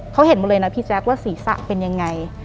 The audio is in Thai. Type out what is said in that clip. เขาเห็นหมดเลยนะพี่แจ๊คว่าศีรษะเป็นยังไง